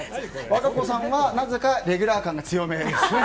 和歌子さんはなぜかレギュラー感が強めですね。